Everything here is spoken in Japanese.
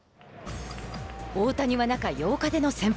大谷は中８日での先発。